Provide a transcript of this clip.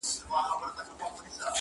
o او کارونه د بل چا کوي,